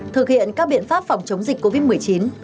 thực hiện các biện pháp phòng chống dịch covid một mươi chín